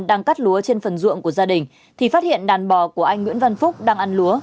đang cắt lúa trên phần ruộng của gia đình thì phát hiện đàn bò của anh nguyễn văn phúc đang ăn lúa